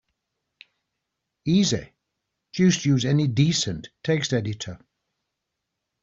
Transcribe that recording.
Easy, just use any decent text editor.